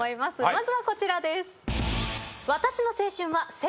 まずはこちらです。